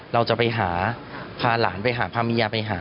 เราจะไปหาพาหลานไปหาพาเมียไปหา